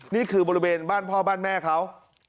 นี่คือบริเวณบ้านพ่อบ้านแม่เขา